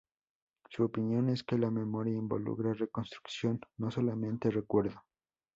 Su opinión es que la memoria involucra reconstrucción, no solamente recuerdo.